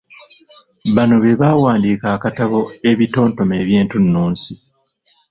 Bano be baawandiika akatabo “Ebitontome eby’entunnunsi".